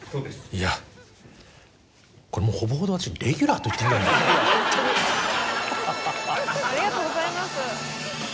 いやこれもう。ありがとうございます。